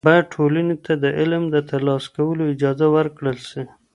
باید ټولني ته د علم تر لاسه کولو اجازه ورکړل سي.